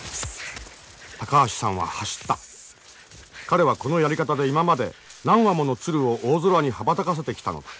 彼はこのやり方で今まで何羽もの鶴を大空に羽ばたかせてきたのだ。